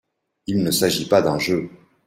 Il ne s'agit pas d'un jeu.